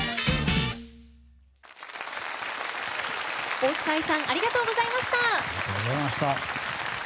大塚愛さんありがとうございました。